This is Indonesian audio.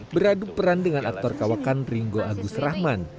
beradu peran dengan aktor kawakan ringo agus rahman